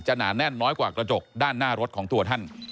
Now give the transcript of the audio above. หนาแน่นน้อยกว่ากระจกด้านหน้ารถของตัวท่าน